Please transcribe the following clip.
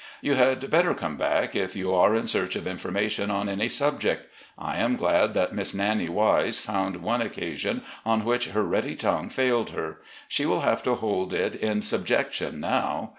You had better come back, if you are in search of information on any subject. I am glad that Miss 'Nannie' Wise found one occasion on which her ready tongue failed her. She will have to hold it in subjection now.